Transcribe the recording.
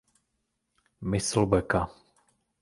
Myslbeka.